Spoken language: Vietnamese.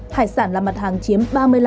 hải sản làm mặt hàng chiếm ba mươi năm